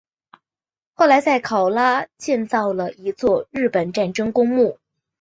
后来在考拉建造了一座日本战争公墓。